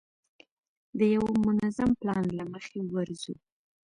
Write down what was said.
د یوه منظم پلان له مخې ورځو.